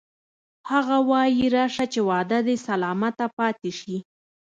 هغه وایی راشه چې وعده دې سلامته پاتې شي